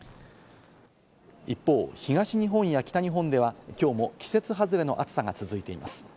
一方、東日本や北日本では、今日も季節外れの暑さが続いています。